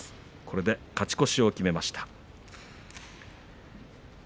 これで勝ち越しを決めました。